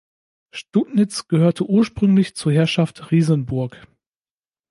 Studnitz gehörte ursprünglich zur Herrschaft Riesenburg.